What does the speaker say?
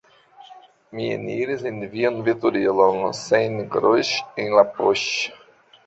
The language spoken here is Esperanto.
Mi eniris en vian veturilon sen groŝ' en la poŝ'